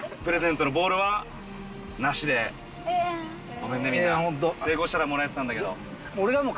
ごめんねみんな成功したらもらえてたんだけど。